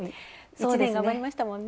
１年頑張りましたもんね。